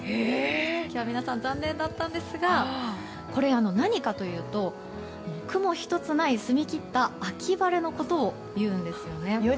今日は皆さん残念だったんですが、これ何かというと雲一つない澄み切った秋晴れのことをいうんです。